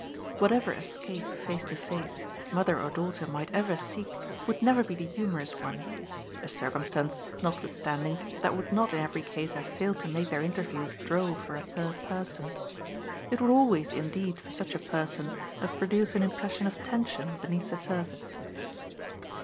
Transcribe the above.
Whatever escape, face to face, mother or daughter might ever seek would never be the humorous one a circumstance, notwithstanding, that would not in every case have failed to make their interviews droll for a third person. It would always indeed for such a person have produced an impression of tension beneath the surface.